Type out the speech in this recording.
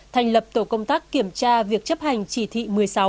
thành lập tổ công tác kiểm tra việc chấp hành chỉ thị một mươi sáu